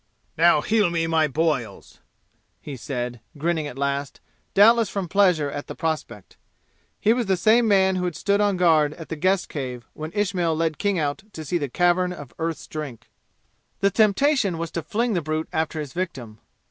"Now heal me my boils!" he said, grinning at last, doubtless from pleasure at the prospect. He was the same man who had stood on guard at the "guest cave" when Ismail led King out to see the Cavern of Earth's Drink. The temptation was to fling the brute after his victim.